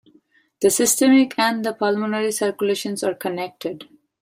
The systemic and the pulmonary circulation are connected.